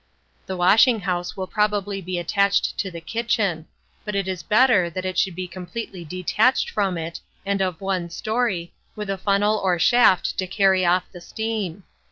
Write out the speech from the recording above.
The washing house will probably be attached to the kitchen; but it is better that it should be completely detached from it, and of one story, with a funnel or shaft to carry off the steam.